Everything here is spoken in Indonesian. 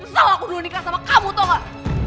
besar aku dulu nikah sama kamu tau gak